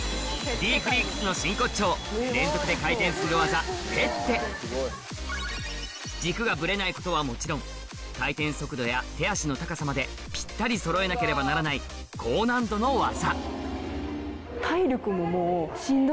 連続で回転する技軸がブレないことはもちろん回転速度や手足の高さまでピッタリ揃えなければならない高難度の技